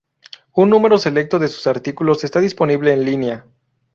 Un número selecto de sus artículos están disponibles en línea.